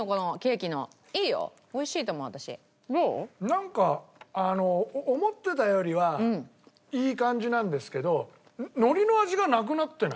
なんかあの思ってたよりはいい感じなんですけど海苔の味がなくなってない？